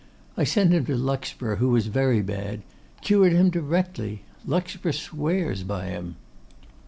I sent him to Luxborough, who was very bad; cured him directly. Luxborough swears by him.